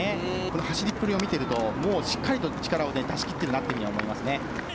この走りっぷりを見てると、もうしっかりと力を出しきってるなというふうに思いますね。